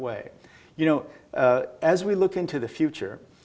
adalah untuk membuat